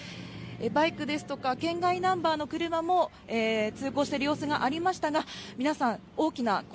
バイクですとか県外ナンバーの車も、通行している様子がありまし